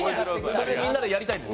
それをみんなでやりたいんです。